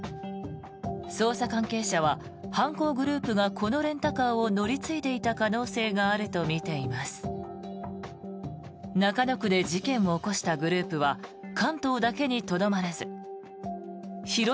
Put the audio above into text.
捜査関係者は犯行グループがこのレンタカーを乗り継いでいた可能性があるとみています。